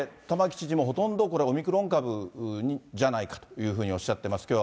玉城知事も、ほとんどこれ、オミクロン株じゃないかというふうにおっしゃってます。